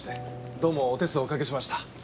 どうもお手数をおかけしました。